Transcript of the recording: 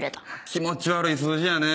気持ち悪い数字やね。